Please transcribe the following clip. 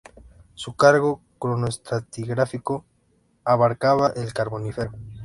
Su rango cronoestratigráfico abarcaba el Carbonífero.